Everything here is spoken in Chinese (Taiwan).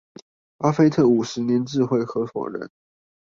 巴菲特五十年智慧合夥人